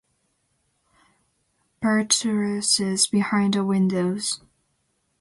The styling was also criticised, including the buttresses behind the windows.